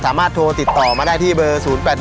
สามารถโทรติดต่อมาได้ที่เบอร์๐๘๑